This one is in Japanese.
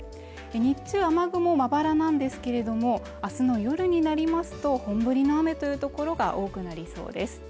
日中雨雲まばらなんですけれども明日の夜になりますと本降りの雨という所が多くなりそうです